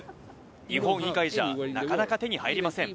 日本以外じゃなかなか手に入りません。